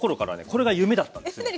これが夢だったんですね。